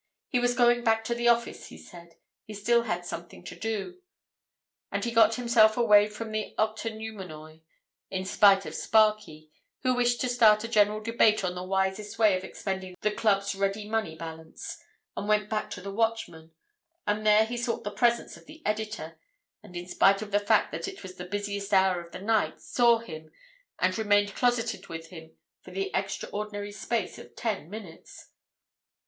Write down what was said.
He was going back to the office, he said; he still had something to do. And he got himself away from the Octoneumenoi, in spite of Starkey, who wished to start a general debate on the wisest way of expending the club's ready money balance, and went back to the Watchman, and there he sought the presence of the editor, and in spite of the fact that it was the busiest hour of the night, saw him and remained closeted with him for the extraordinary space of ten minutes.